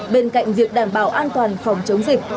bên cạnh việc đảm bảo an toàn phòng chống dịch